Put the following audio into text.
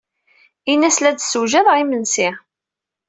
Ini-as la d-ssewjadeɣ imensi.